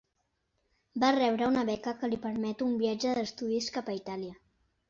Va rebre una beca que li permet un viatge d'estudis cap a Itàlia.